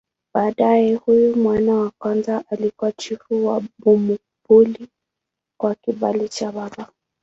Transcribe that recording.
Baadaye huyu mwana wa kwanza alikuwa chifu wa Bumbuli kwa kibali cha baba.